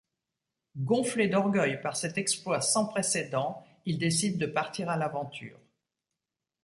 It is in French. Gonflé d'orgueil par cet exploit sans précédent, il décide de partir à l'aventure.